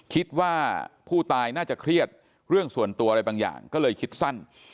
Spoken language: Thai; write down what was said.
คิดว่าผู้ตายน่าจะเครียดเรื่องส่วนตัวอะไรบางอย่างก็เลยคิดสั้น